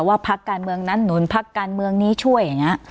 พักการเมืองนั้นหนุนพักการเมืองนี้ช่วยอย่างนี้